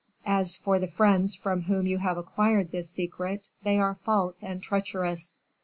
As for the friends from whom you have acquired this secret, they are false and treacherous.